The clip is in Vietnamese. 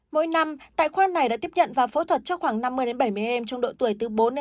mỗi năm tại khoa này đã tiếp nhận và phẫu thuật cho khoảng năm mươi bảy mươi em trong độ tuổi từ bốn hai mươi